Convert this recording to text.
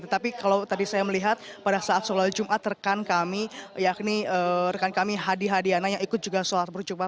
tetapi kalau tadi saya melihat pada saat sholat jumat rekan kami yakni rekan kami hadi hadiana yang ikut juga sholat berjumpa